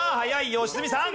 良純さん！